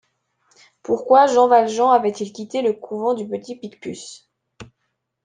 Pourquoi Jean Valjean avait-il quitté le couvent du Petit-Picpus?